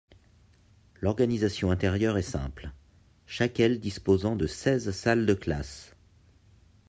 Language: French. L'organisation intérieure est simple, chaque aile disposant de seize salles de classe.